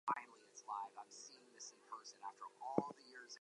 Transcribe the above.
Jamie Jack also plays with the band Silver Treason.